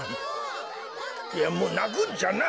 いやもうなくんじゃない。